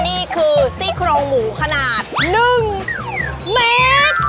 นี่คือซี่โครงหมูขนาด๑เมตร